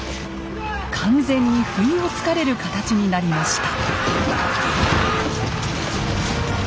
完全に不意をつかれる形になりました。